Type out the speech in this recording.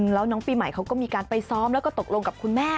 แล้วน้องปีใหม่เขาก็มีการไปซ้อมแล้วก็ตกลงกับคุณแม่